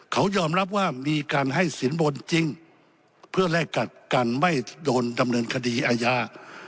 เขายอมรับว่ามีการให้สินบนจริงเพื่อแลกกัดกันไม่โดนดำเนินคดีอาญา